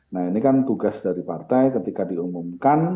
nah ini kan tugas dari partai ketika diumumkan